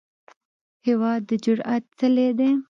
هېواد د جرئت څلی دی.